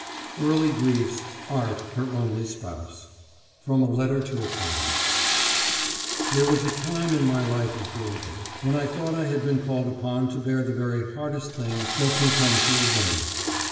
EARLY GRIEFS. ART HER ONLY SPOUSE [FROM A LETTER TO A FRIEND] There was a time, in my life of girlhood, when I thought I had been called upon to bear the very hardest thing that can come to a Woman.